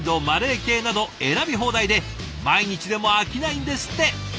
マレー系など選び放題で毎日でも飽きないんですって。